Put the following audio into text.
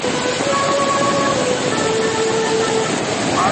د کيسې وروستۍ برخه ځانګړی اهميت لري او موضوع نوره هم پراخيږي,